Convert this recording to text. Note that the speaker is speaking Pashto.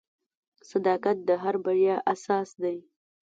• صداقت د هر بریا اساس دی.